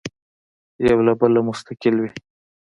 یو له بله مستقل وي.